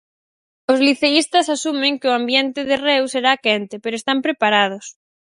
Os liceístas asumen que o ambiente de Reus será quente, pero están preparados.